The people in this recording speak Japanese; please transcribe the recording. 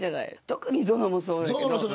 特にゾノもそうだけど。